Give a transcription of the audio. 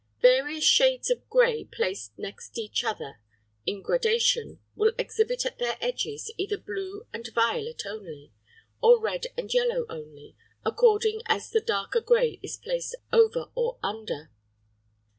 Various shades of grey placed next each other in gradation will exhibit at their edges, either blue and violet only, or red and yellow only, according as the darker grey is placed over or under.